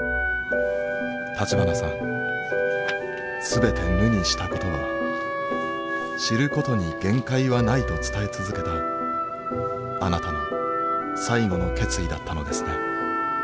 全て無にしたことは知ることに限界はないと伝え続けたあなたの最後の決意だったのですね。